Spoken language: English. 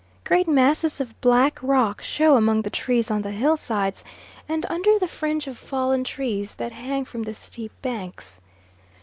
Great masses of black rock show among the trees on the hillsides, and under the fringe of fallen trees that hang from the steep banks.